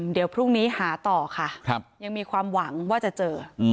เดี๋ยวพรุ่งนี้หาต่อค่ะยังมีความหวังว่าจะเจอ